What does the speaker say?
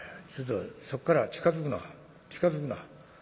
ちょっとそこから近づくな近づくな」。